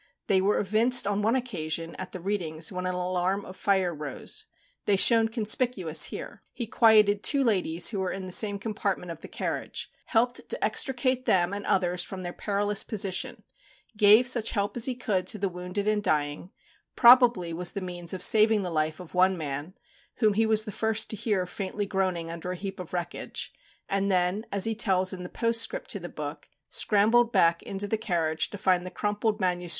They were evinced, on one occasion, at the readings, when an alarm of fire arose. They shone conspicuous here. He quieted two ladies who were in the same compartment of the carriage; helped to extricate them and others from their perilous position; gave such help as he could to the wounded and dying; probably was the means of saving the life of one man, whom he was the first to hear faintly groaning under a heap of wreckage; and then, as he tells in the "postscript" to the book, scrambled back into the carriage to find the crumpled MS.